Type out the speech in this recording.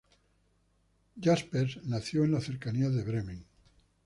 Jaspers nació en las cercanías de Bremen.